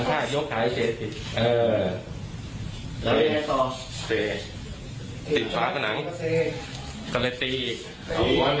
เสียชีวิตติดฟ้าผนังก็เลยตีอีก